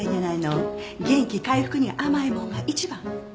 元気回復には甘いもんが一番。